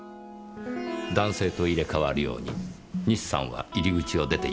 男性と入れ替わるように西さんは入り口を出て行きました。